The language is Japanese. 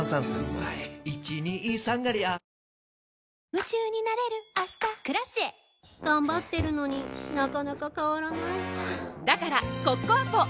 夢中になれる明日「Ｋｒａｃｉｅ」頑張ってるのになかなか変わらないはぁだからコッコアポ！